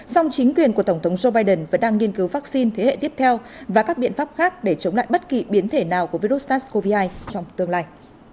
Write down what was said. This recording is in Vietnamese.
song chính quyền của tổng thống joe biden vẫn đang nghiên cứu vaccine thế hệ tiếp theo và các biện pháp khác để chống lại bất kỳ biến thể nào của virus sars cov hai trong tương lai